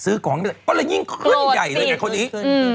ซื้อของไม่เสร็จก็เลยยิ่งเคลื่อนใหญ่เลยในคนอีก